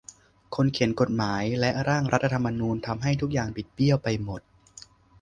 คนเขียนกฎหมายและร่างรัฐธรรมนูญทำให้ทุกอย่างบิดเบี้ยวไปหมด